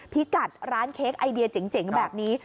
พิกัดร้านเค้กไอเดียเจ๋งแบบนี้